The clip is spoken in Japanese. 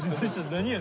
何や？